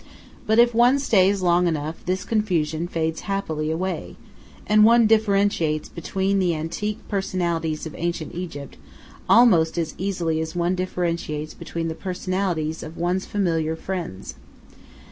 But if one stays long enough this confusion fades happily away, and one differentiates between the antique personalities of Ancient Egypt almost as easily as one differentiates between the personalities of one's familiar friends.